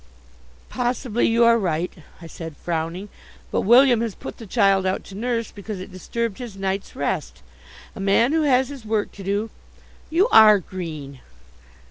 "Possibly you are right," I said, frowning, "but William has put the child out to nurse because it disturbed his night's rest. A man who has his work to do " "You are green!"